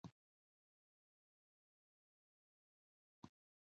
په طبیعي توګه تاسو نشئ کولای مخه ونیسئ.